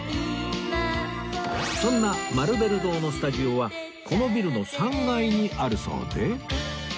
そんなマルベル堂のスタジオはこのビルの３階にあるそうで